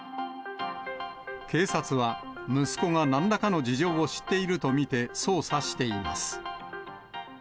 警察は、息子がなんらかの事情を知っていると見て、捜査しています。